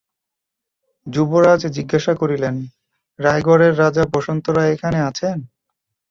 যুবরাজ জিজ্ঞাসা করিলেন, রায়গড়ের রাজা বসন্ত রায় এখানে আছেন?